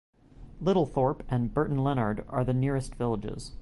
Littlethorpe and Burton Leonard are the nearest villages.